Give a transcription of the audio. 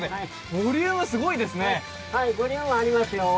ボリュームありますよ。